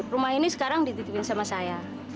rumah ini sekarang dititipin sama saya